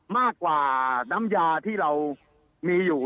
มากกว่าน้ำยาที่เรามีอยู่